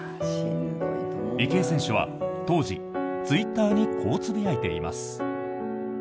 池江選手は当時、ツイッターにこうつぶやいています。